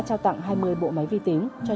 trao tặng hai mươi bộ máy vi tính cho